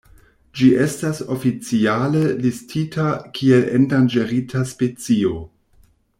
Ĝi estas oficiale listita kiel endanĝerigita specio.